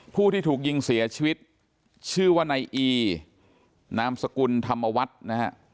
ผู้ที่ถูกยิงเสียชีวิตชื่อว่านายอีนามสกุลธรรมวัฒน์นะฮะ